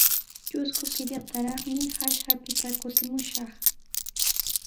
Trusku killataraqmi hallqapita kutimushaq.